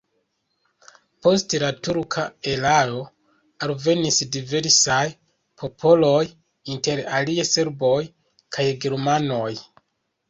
Post la turka erao alvenis diversaj popoloj, inter alie serboj kaj germanoj.